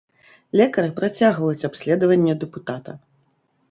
Лекары працягваюць абследаванне дэпутата.